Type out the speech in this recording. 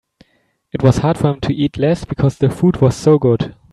It was hard for him to eat less because the food was so good.